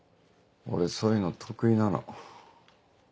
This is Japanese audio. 俺そういうの得意なの。